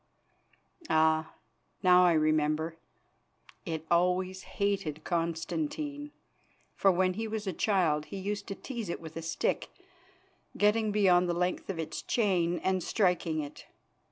Ah! now I remember, it always hated Constantine, for when he was a child he used to tease it with a stick, getting beyond the length of its chain and striking it.